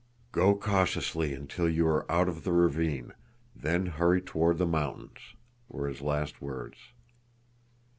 "Go cautiously until you are out of the ravine, then hurry toward the mountains," were his last words.